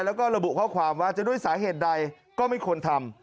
แล้วก็ระบุข้อความว่าจะด้วยสาเหตุใดก็ไม่ควรทำ